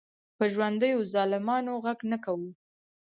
په ژوندیو ظالمانو غږ نه کوو.